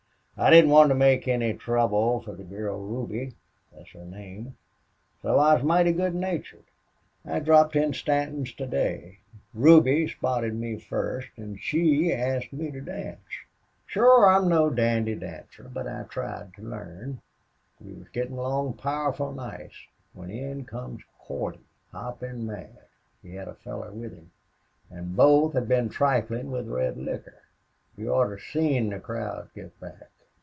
I didn't want to make any trouble for the girl Ruby thet's her name so I was mighty good natured.... I dropped in Stanton's to day. Ruby spotted me fust off, an' SHE asked me to dance. Shore I'm no dandy dancer, but I tried to learn. We was gettin' along powerful nice when in comes Cordy, hoppin' mad. He had a feller with him. An' both had been triflin' with red liquor. You oughter seen the crowd get back.